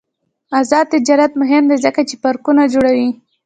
آزاد تجارت مهم دی ځکه چې پارکونه جوړوي.